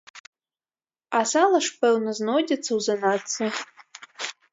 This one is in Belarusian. А сала ж, пэўна, знойдзецца ў заначцы.